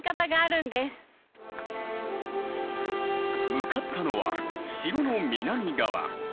向かったのは城の南側。